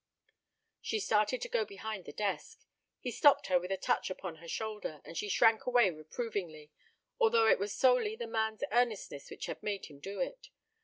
She started to go behind the desk. He stopped her with a touch upon her shoulder, and she shrank away reprovingly, although it was solely the man's earnestness that had made him do it.